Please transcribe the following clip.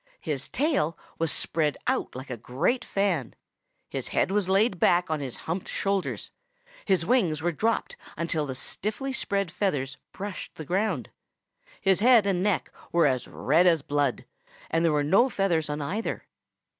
His tail was spread out like a great fan. His head was laid back on his humped shoulders. His wings were dropped until the stiffly spread feathers brushed the ground. His head and neck were as red as blood, and there were no feathers on either.